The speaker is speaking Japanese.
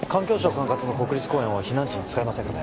管轄の国立公園は避難地に使えませんかね